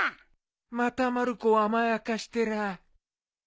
またまる子を甘やかしてらぁ。